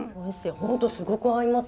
本当すごく合います。